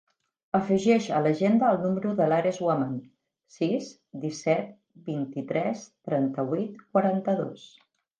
Afegeix a l'agenda el número de l'Ares Huaman: sis, disset, vint-i-tres, trenta-vuit, quaranta-dos.